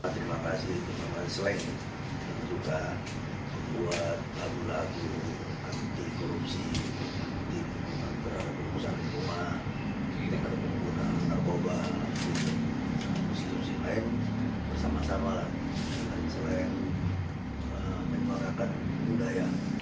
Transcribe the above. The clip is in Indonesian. dan setelah berubah ke institusi lain bersama sama selain menyalakan budaya